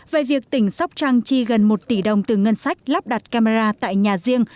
về việc tỉnh sóc trăng chi gần một tỷ đồng từ ngân sách lắp đặt camera tại nhà riêng